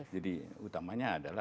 jadi utamanya adalah